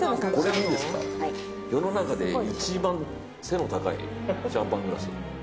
世の中で一番背の高いシャンパングラス。